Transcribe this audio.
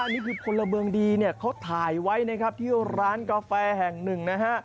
นี่คือพลเมืองดีเนี่ยเขาถ่ายไว้นะครับที่ร้านกาแฟแห่งหนึ่งนะฮะ